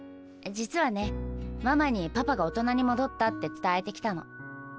実はねママにパパが大人に戻ったって伝えてきたの。